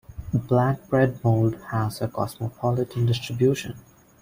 Black bread mold has a cosmopolitan distribution.